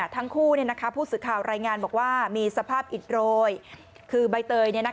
ทั้งคู่ผู้สื่อข่าวรายงานบอกว่ามีสภาพอิดโรยคือใบเตย